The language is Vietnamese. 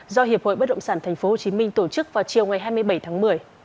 do hiệp hội bất động sản tp hcm tổ chức vào chiều ngày hai mươi bảy tháng một mươi